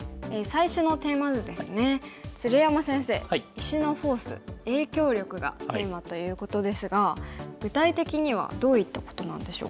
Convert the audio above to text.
石のフォース影響力がテーマということですが具体的にはどういったことなんでしょうか？